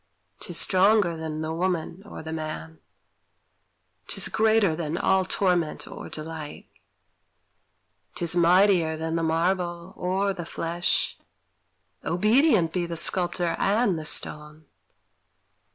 'T is stronger than the woman or the man; 'T is greater than all torment or delight; 'T is mightier than the marble or the flesh. Obedient be the sculptor and the stone!